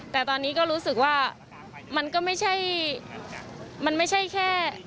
แต่ตอนนี้ก็รู้สึกว่ามันก็ไม่ใช่แค่